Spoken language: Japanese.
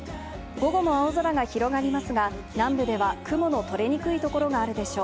午後も青空が広がりますが南部では雲の取れにくいところがあるでしょう。